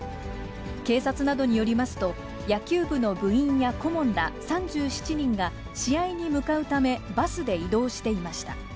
警察などによりますと、野球部の部員や顧問ら３７人が試合に向かうため、バスで移動していました。